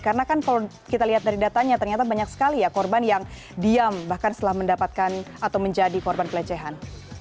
karena mungkin kalau kita lihat dari datanya ternyata banyak sekali ya korban yang diam bahkan setelah mendapatkan atau menjadi korban pelecehan